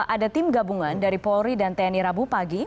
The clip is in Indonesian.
ada tim gabungan dari polri dan tni rabu pagi